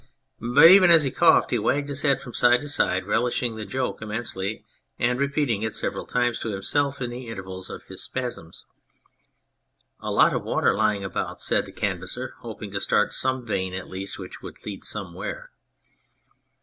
But even as he coughed he wagged his head from side to side, relish ing the joke immensely, and repeating it several times to himself in the intervals of his spasms. " A lot of water lying about," said the Canvasser, hoping to start some vein at least which would lead somewhere.